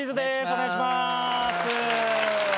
お願いします。